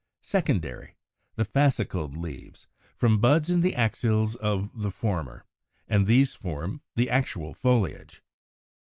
secondary, the fascicled leaves, from buds in the axils of the former, and these form the actual foliage.